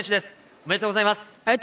おめでとうございます。